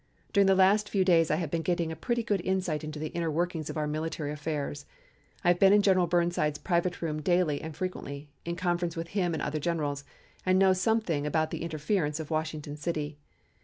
During the last few days I have been getting a pretty good insight into the inner workings of our military affairs. I have been in General Burnside's private room daily and frequently, in conference with him and other generals, and know something about the interference of Washington City.